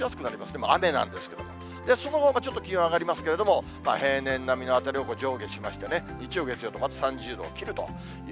でも、雨なんですけれども、その後また気温上がりますけれども、平年並みのあたりをこう、上下しまして、日曜、月曜とまた３０度を切ると。